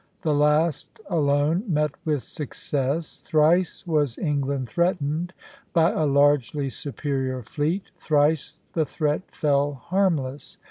The last alone met with success. Thrice was England threatened by a largely superior fleet, thrice the threat fell harmless.